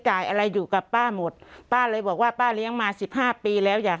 อะไรอยู่กับป้าหมดป้าเลยบอกว่าป้าเลี้ยงมาสิบห้าปีแล้วอยาก